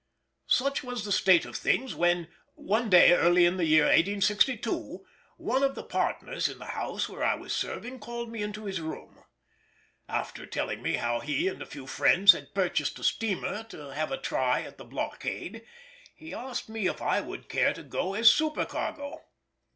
Such was the state of things when, one day early in the year 1862, one of the partners in the house where I was serving called me into his room. After telling me how he and a few friends had purchased a steamer to have a try at the blockade, he asked me if I would care to go as supercargo?